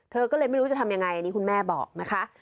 เธอก็เลยไม่รู้จะทำยังไงอันนี้คุณแม่บอกนะคะ